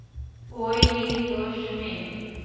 ওই নির্দোষ মেয়ে।